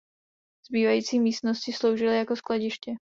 Zbývající místnosti sloužily jako skladiště.